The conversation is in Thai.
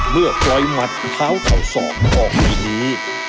เมื่อปล่อยหมัดเท้าเข่าศอกออกไปนี้